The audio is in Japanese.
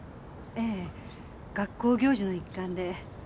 ええ学校行事の一環で。